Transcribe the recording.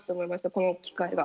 この機会が。